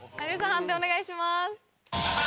判定お願いします。